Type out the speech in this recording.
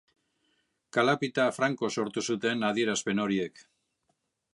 Kalapita franko sortu zuten adierazpen horiek.